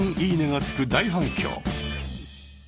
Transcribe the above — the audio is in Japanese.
「いいね」がつく大反響。